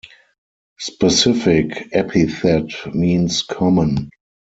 Specific epithet means common.